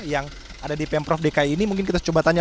yang ada di pemprov dki ini mungkin kita coba tanya